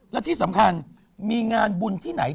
และที่สำคัญมีงานบุญที่ไหน